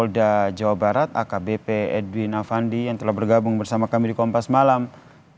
lalu bagaimana sodara investigasi kecelakaan maut bus rombongan ini